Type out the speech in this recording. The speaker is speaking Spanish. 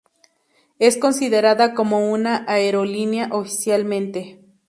Es considerada como una aerolínea oficialmente.